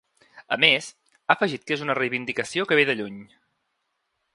A més, ha afegit que és una reivindicació que ve de lluny.